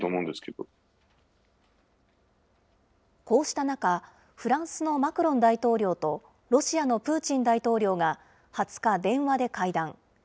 こうした中、フランスのマクロン大統領と、ロシアのプーチン大統領が２０日、電話で会談。